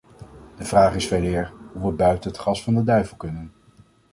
De vraag is veeleer hoe we buiten het gas van de duivel kunnen.